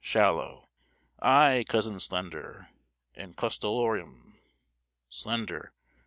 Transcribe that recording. Shallow. Ay, cousin Slender, and custalorum. Slender.